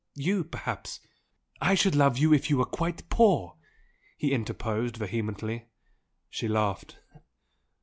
You, perhaps " "I should love you if you were quite poor!" he interposed vehemently. She laughed.